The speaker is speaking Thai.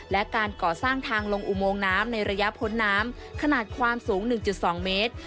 และการก่อสร้างทางลงอุโมงน้ำในระยะพ้นน้ำขนาดความสูง๑๒เมตร